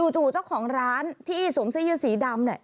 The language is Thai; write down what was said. จู่เจ้าของร้านที่สมซียสีดำ